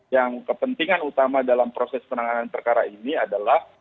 yang kepentingan utama dalam proses penanganan perkara ini adalah